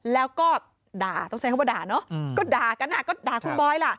แล้วก็ด่าต้องใช้คำว่าด่าเนอะก็ด่ากันอ่ะก็ด่าคุณบอยล่ะ